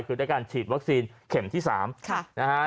คือด้วยการฉีดวัคซีนเข็มที่๓นะฮะ